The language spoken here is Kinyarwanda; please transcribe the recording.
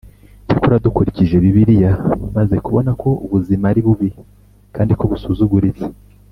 icyakora dukurikije bibiliya maze kubona ko ubuzima ari bubi kandi ko busuzuguritse